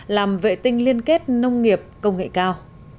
làm vệ tinh liên kết nông nghiệp công nghệ cao